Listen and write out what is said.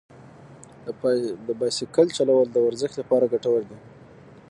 د بایسکل چلول د ورزش لپاره ګټور دي.